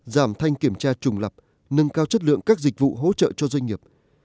giảm thanh kiểm tra trùng lập nâng cao chất lượng các dịch vụ hỗ trợ cho doanh nghiệp